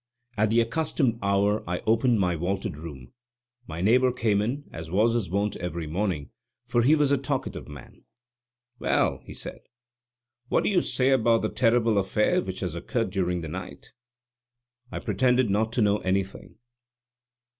At the accustomed hour I opened my vaulted room. My neighbor came in, as was his wont every morning, for he was a talkative man. "Well," he said, "what do you say about the terrible affair which has occurred during the night?" I pretended not to know anything.